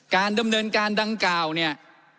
การดำเนินการดังกล่าวเนี่ย